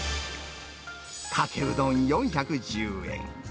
かけうどん４１０円。